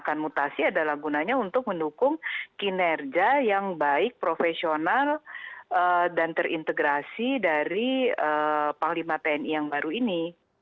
dan mutasi adalah gunanya untuk mendukung kinerja yang baik profesional dan terintegrasi dari panglima tni yang baru ini